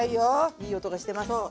いい音がしてます。